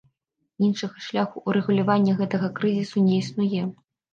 Іншага шляху ўрэгулявання гэтага крызісу не існуе.